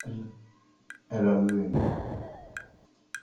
elle, elle a eu aimé.